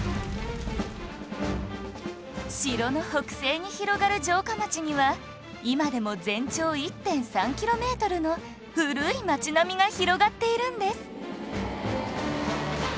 城の北西に広がる城下町には今でも全長 １．３ キロメートルの古い町並みが広がっているんです